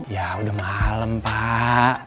ya udah malem pak